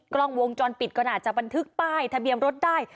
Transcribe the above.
กล้องวงจรปิดก็น่าจะบันทึกป้ายทะเบียนรถได้